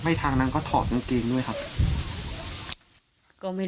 ล่าสุดวันนี้นะคะเด็กหญิงอายุ๑๓ปี